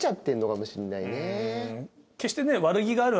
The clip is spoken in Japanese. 決してね。